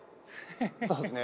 そうですね。